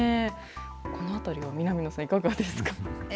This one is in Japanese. このあたりは、南野さん、いかがですか。